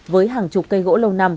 với hàng chục cây gỗ lâu năm